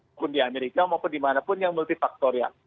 maupun di amerika maupun dimanapun yang multifaktorial